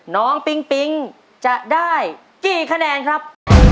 ปิ๊งปิ๊งจะได้กี่คะแนนครับ